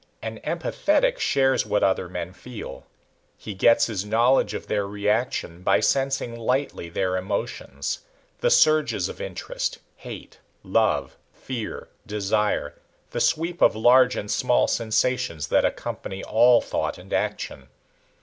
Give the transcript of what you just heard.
An empathetic shares what other men feel. He gets his knowledge of their reaction by sensing lightly their emotions, the surges of interest, hate, love, fear, desire, the sweep of large and small sensations that accompany all thought and action.